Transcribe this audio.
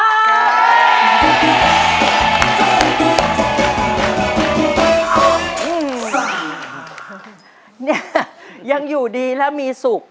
เนี่ยยังอยู่ดีและมีสุข